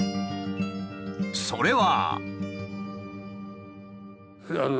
それは。